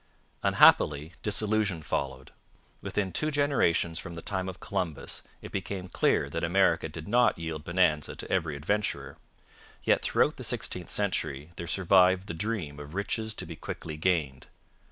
Unhappily disillusion followed. Within two generations from the time of Columbus it became clear that America did not yield bonanza to every adventurer. Yet throughout the sixteenth century there survived the dream of riches to be quickly gained.